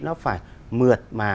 nó phải mượt mà